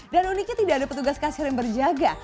dan uniknya tidak ada petugas kasir yang berjaga